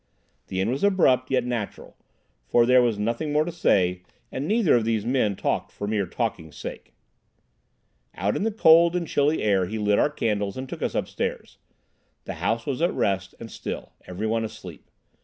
The end was abrupt, yet natural, for there was nothing more to say, and neither of these men talked for mere talking's sake. Out in the cold and chilly hall he lit our candles and took us upstairs. The house was at rest and still, every one asleep.